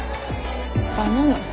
バナナ。